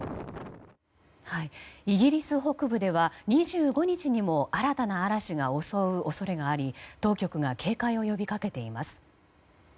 イギリス北部では２５日にも新たな嵐が襲う恐れがあり当局が警戒を呼びかけています。